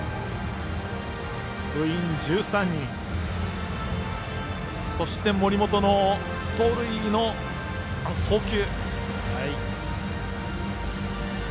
部員１３人、そして森本の盗塁への送球。